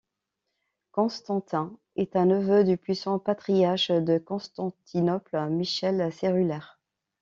Constantin est un neveu du puissant patriarche de Constantinople Michel Cérulaire.